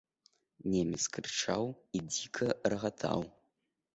Немец крычаў і дзіка рагатаў.